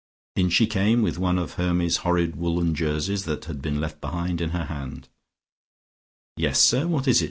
In she came with one of Hermy's horrid woolen jerseys that had been left behind, in her hand. "Yes, sir, what is it?"